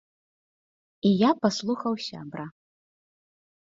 І я паслухаў сябра.